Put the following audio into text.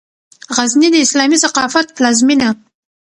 غزني د اسلامي ثقافت پلازمېنه